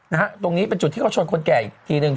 ตรงนี้เป็นจุดที่เขาชนคนแก่อีกทีหนึ่ง